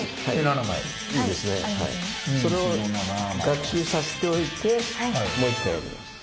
それを学習させておいてもう一回やります。